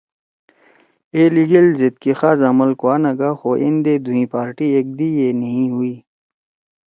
اے لیِگیل زید کی خاص عمل کُوا نہ گا خُو ایندے دُھوئیں پارٹی ایک دئی ئے نھیئی ہُوئی